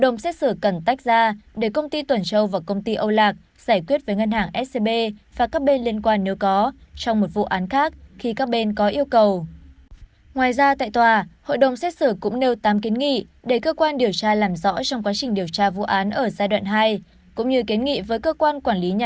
ngoài ra hội đồng xét xử buộc công ty c ba phải vào cuộc điều tra là việc số giấy tờ hồ sơ pháp lý của dự án bắc phước kiển đã tử bidv là một lượng và một lượng và một lượng và một lượng